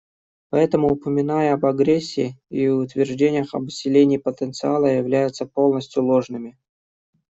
Поэтому упоминания об агрессии и утверждения об усилении потенциала являются полностью ложными.